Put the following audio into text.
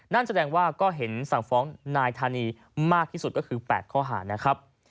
นั่นแสดงว่าก็เห็นสั่งฟ้องนายธานีมากที่สุดก็คือ๘ข้อหานะครับ